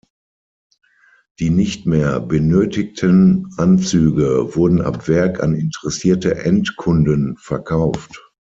Die nicht mehr benötigten Anzüge wurden ab Werk an interessierte Endkunden verkauft.